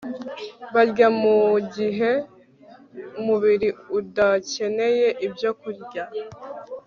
Barya mu gihe umubiri udakeneye ibyokurya